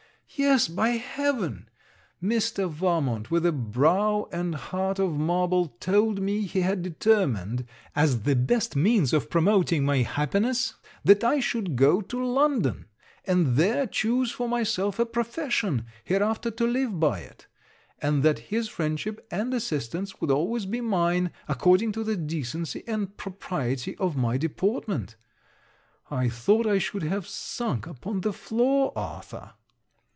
Yes, by heaven! Mr. Valmont, with a brow and heart of marble, told me, he had determined, as the best means of promoting my happiness that I should go to London; and there choose for myself a profession, hereafter to live by it; and that his friendship and assistance would always be mine, according to the decency and propriety of my deportment. I thought I should have sunk upon the floor, Arthur.